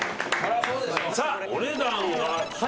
さあお値段は？